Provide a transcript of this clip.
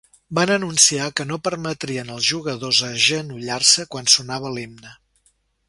Van anunciar que no permetrien als jugadors agenollar-se quan sonava l’himne.